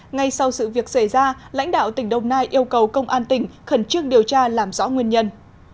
ngay sau sự việc xảy ra lãnh đạo tỉnh đồng nai yêu cầu công an tỉnh khẩn trương điều tra làm rõ nguyên nhân